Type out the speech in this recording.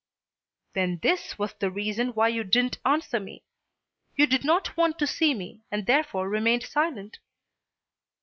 "Then this was the reason why you didn't answer me. You did not want to see me, and therefore remained silent."